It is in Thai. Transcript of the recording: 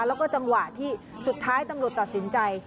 แล้วก็จังหวะที่สุดท้ายตำรวจตัดสินใจ